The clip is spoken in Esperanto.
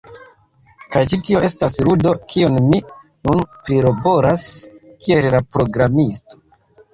Kaj ĉi tio estas ludo, kiun mi nun prilaboras kiel la programisto.